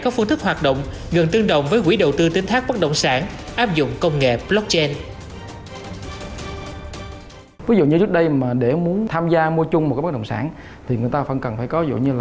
có phương thức hoạt động gần tương đồng